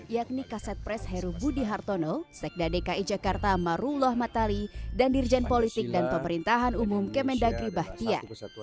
yakni kaset pres heru budi hartono sekda dki jakarta marullah matali dan dirjen politik dan pemerintahan umum kemendagri bahtia